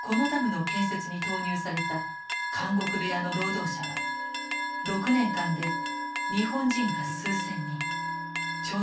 このダムの建設に投入された「監獄部屋」の労働者は６年間で日本人が数千人朝鮮人が３，０００人に上るという。